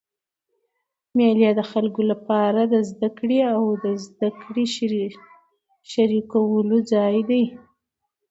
مېلې د خلکو له پاره د زدهکړي او زدهکړي شریکولو ځای دئ.